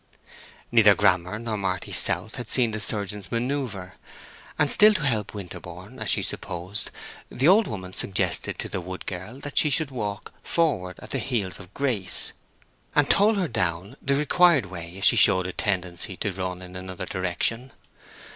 Neither Grammer nor Marty South had seen the surgeon's manoeuvre, and, still to help Winterborne, as she supposed, the old woman suggested to the wood girl that she should walk forward at the heels of Grace, and "tole" her down the required way if she showed a tendency to run in another direction.